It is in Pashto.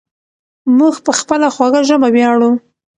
موږ په خپله خوږه ژبه ویاړو.